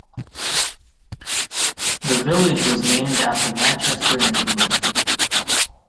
The village was named after Manchester in England.